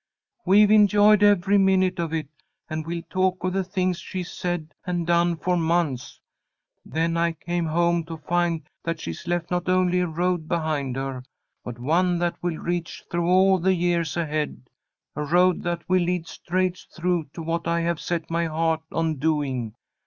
We've enjoyed every minute of it, and we'll talk of the things she's said and done for months. Then I came home to find that she's left not only a road behind her, but one that will reach through all the years ahead, a road that will lead straight through to what I have set my heart on doing.